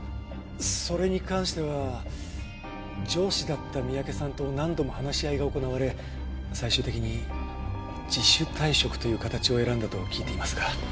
それに関しては上司だった三宅さんと何度も話し合いが行われ最終的に自主退職という形を選んだと聞いていますが。